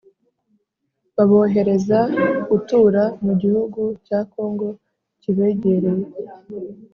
Babohereza gutura mu gihugu cya kongo kibegereye